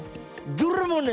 どれもね